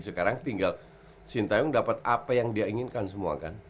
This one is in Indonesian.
sekarang tinggal sintayong dapat apa yang dia inginkan semua kan